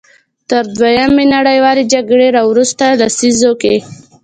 تر دویمې نړیوالې جګړې راوروسته لسیزو کې.